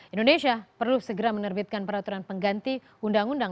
indonesia perlu segera menerbitkan peraturan pengganti undang undang